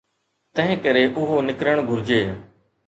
تنهنڪري اهو نڪرڻ گهرجي.